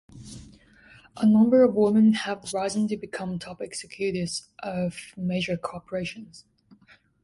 A number of women have risen to become top executives of major corporations.